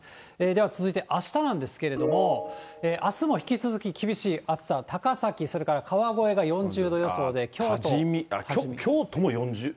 では続いてあしたなんですけれども、あすも引き続き厳しい暑さは、高崎、川越が４０度予想で、京都。